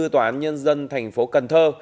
tòa án nhân dân thành phố cần thơ